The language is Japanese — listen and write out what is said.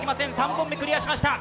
３本目クリアしました、